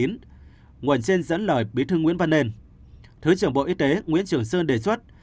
nguồn trên dẫn lời bí thư nguyễn văn nên thứ trưởng bộ y tế nguyễn trường sơn đề xuất